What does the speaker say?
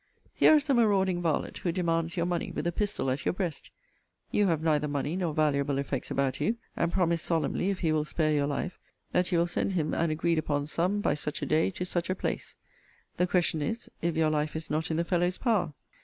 Here is a marauding varlet, who demands your money, with a pistol at your breast. You have neither money nor valuable effects about you; and promise solemnly, if he will spare your life, that you will send him an agreed upon sum, by such a day, to such a place. The question is, if your life is not in the fellow's power?